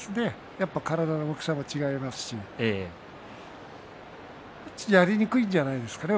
やっぱり体の大きさも違いますしやりにくいんじゃないでしょうかね